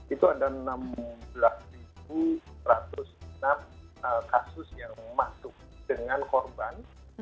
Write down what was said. itu ada enam belas satu ratus enam kasus yang masuk dengan korban